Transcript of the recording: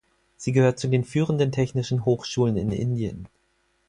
Sie gehört zu den führenden technischen Hochschulen in Indien.